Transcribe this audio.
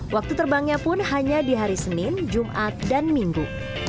waktu terbangnya pun hanya di hari senin jumat dan minggu